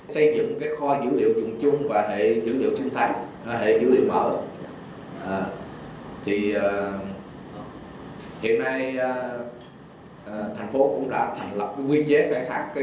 xây dựng kho dữ liệu dùng chung và hệ dữ liệu sinh thái hệ dữ liệu mở hiện nay thành phố cũng đã thành lập quy chế khai thác